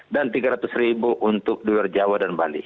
dan tiga ratus ribu untuk luar jawa dan bali